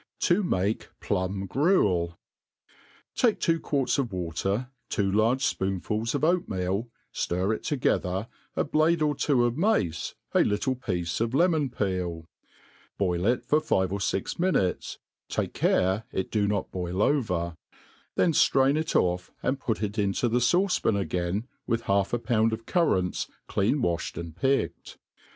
, To make Plum Gruel. TAKE two quarts of water, two large fpoonfuls of oatmeal, Sir it together, a blade or two of mace, a little piece of lemon peel ; boil it for 'five or fix minutes (take care it do not boil over), then ftrain it off, and put it into the fauce pan again, with half a pouhd of currants clean waflied and picked.